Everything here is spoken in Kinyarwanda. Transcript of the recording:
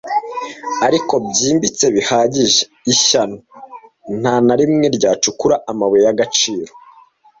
Ariko byimbitse bihagije, ishyano! nta na rimwe ryacukura amabuye y'agaciro.